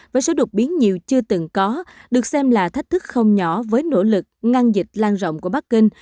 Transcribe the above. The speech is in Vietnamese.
với số đột biến nhiều chưa từng có được xem là thách thức không nhỏ với nỗ lực ngăn dịch lan rộng của bắc kinh